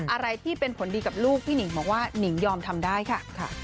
อะไรที่เป็นผลดีกับลูกพี่หนิงบอกว่าหนิงยอมทำได้ค่ะ